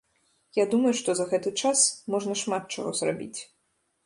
Я думаю, што за гэты час можна шмат чаго зрабіць.